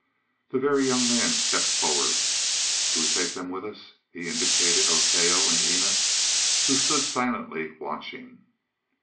The Very Young Man stepped forward. "Do we take them with us?" He indicated Oteo and Eena, who stood silently watching.